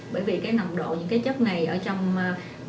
bởi vì cái nồng độ những cái chất này ở trong máu